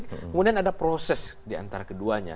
kemudian ada proses diantara keduanya